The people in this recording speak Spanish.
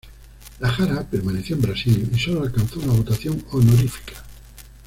La Jara permaneció en Brasil y sólo alcanzó una votación honorífica.